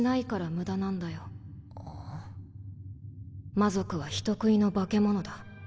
魔族は人食いの化け物だ。